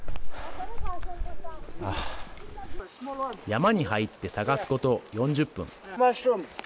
山に入って探すこと４０分。